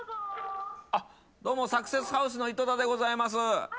どうも、サクセスハウスの井戸田でございます。